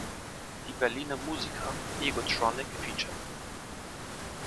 Die Berliner Musiker Egotronic feat.